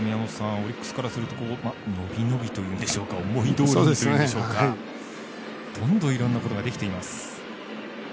オリックスからすると伸び伸びというんでしょうか思いどおりというんでしょうかどんどん、いろんなことができています。